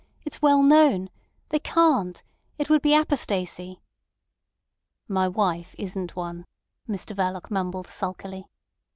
It's well known. They can't. It would be apostasy." "My wife isn't one," Mr Verloc mumbled sulkily.